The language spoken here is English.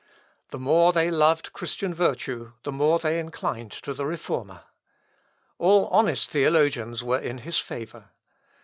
The more they loved Christian virtue the more they inclined to the Reformer. All honest theologians were in his favour.